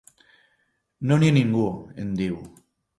No hi ha ningú —em diu—.